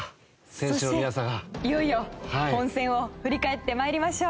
いよいよ本戦を振り返ってまいりましょう。